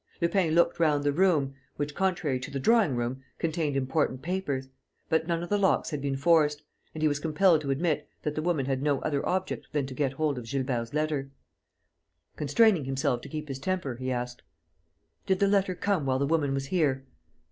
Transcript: Lupin looked round the room, which, contrary to the drawing room, contained important papers. But none of the locks had been forced; and he was compelled to admit that the woman had no other object than to get hold of Gilbert's letter. Constraining himself to keep his temper, he asked: "Did the letter come while the woman was here?"